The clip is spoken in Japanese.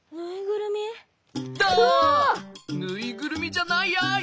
ぬいぐるみじゃないやい。